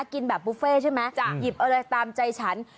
กินแบบบุฟเฟ่ใช่ไหมหยิบอะไรตามใจฉัน